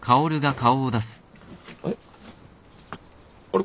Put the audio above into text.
あれ？